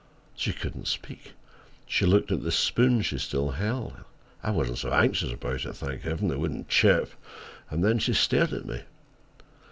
She couldn't speak. She looked at the spoon she still held—I wasn't so anxious about it: thank Heaven, it wouldn't chip—and then she stared at me.